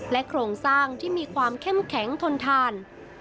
โครงสร้างที่มีความเข้มแข็งทนทาน